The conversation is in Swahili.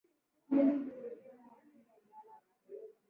meli hiyo iligonga mwamba wa barafu